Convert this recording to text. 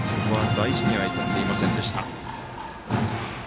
大事には至っていませんでした。